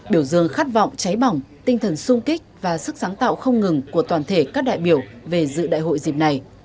biểu dương khát vọng cháy bỏng tinh thần sung kích và sức sáng tạo không ngừng của toàn thể các đại biểu về dự đại hội dịp này